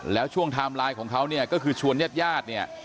แล้วช่วงทามไลค์ของเขาคือชวนญาติญาติ